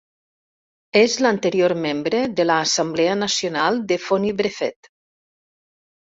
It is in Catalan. És l'anterior membre de l'Assemblea Nacional de Foni Brefet.